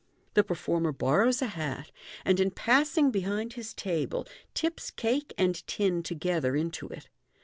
The performer borrows a hat, and in passing behind his table, tips cake and tin together into it.